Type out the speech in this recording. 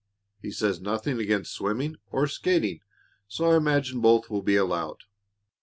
He says nothing against swimming or skating, so I imagine both will be allowed.